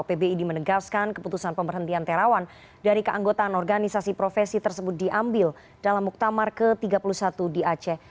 pbid menegaskan keputusan pemberhentian terawan dari keanggotaan organisasi profesi tersebut diambil dalam muktamar ke tiga puluh satu di aceh